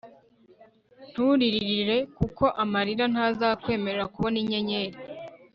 nturirire kuko amarira ntazakwemerera kubona inyenyeri